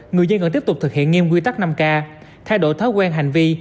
người dân cần tiếp tục thực hiện nghiêm quy tắc năm k thay đổi thói quen hành vi